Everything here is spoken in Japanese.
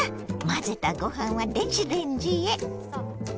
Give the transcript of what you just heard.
まぜたごはんは電子レンジへ。